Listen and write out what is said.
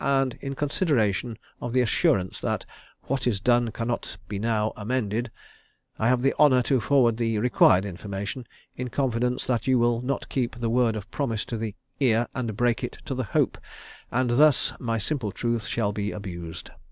and in consideration of the assurance that 'what is done cannot be now amended,' I have the honour to forward the required information, in confidence that you will not keep the word of promise to the ear and break it to the hope, and thus 'my simple truth shall be abused.'